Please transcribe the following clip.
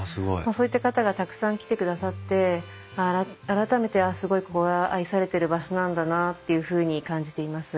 そういった方がたくさん来てくださって改めてすごいここが愛されてる場所なんだなっていうふうに感じています。